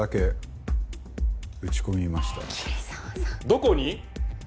どこに？